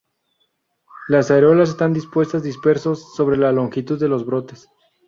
Las areolas están dispuestas dispersos sobre la longitud de los brotes.